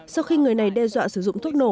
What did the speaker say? sau khi người này đe dọa sử dụng thuốc nổ